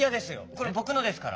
これぼくのですから。